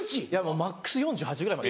マックス４８ぐらいまで。